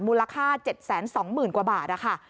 มูลค่า๗๒๐๐๐๐กว่าบาท